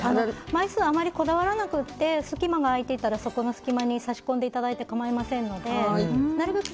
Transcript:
枚数にあまりこだわらなくて隙間が空いていたらそこの隙間に差し込んでいただいて構いませんのでなるべく